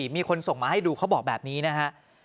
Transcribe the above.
มีคนส่งมาให้ดูเขาบอกแบบนี้นะฮะ